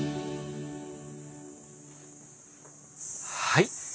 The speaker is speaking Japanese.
はい。